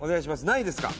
何位ですか？